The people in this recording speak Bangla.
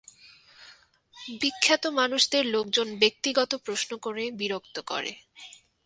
বিখ্যাত মানুষদের লোকজন ব্যক্তিগত প্রশ্ন করে বিরক্ত করে।